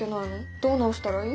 どう直したらいい？